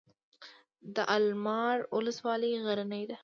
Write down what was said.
د المار ولسوالۍ غرنۍ ده